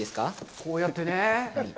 こうやってね。